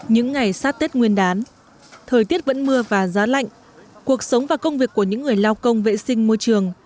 những ngày sát tết nguyên đán thời tiết vẫn mưa và giá lạnh cuộc sống và công việc của những người lao công vệ sinh môi trường